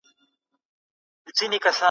هغې وویل، ژوند یوازې د پیسو نه دی جوړ.